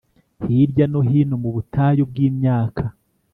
hirya no hino mu butayu bwimyaka.